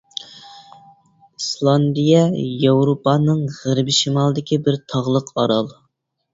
ئىسلاندىيە ياۋروپانىڭ غەربىي شىمالىدىكى بىر تاغلىق ئارال.